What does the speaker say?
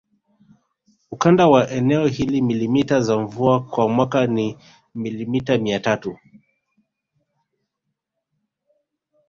Ukanda wa eneo hili milimita za mvua kwa mwaka ni milimita mia tatu